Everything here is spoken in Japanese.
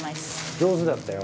上手だったよ。